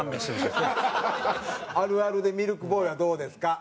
あるあるでミルクボーイはどうですか？